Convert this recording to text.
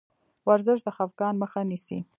ورزش د خفګان مخه نیسي.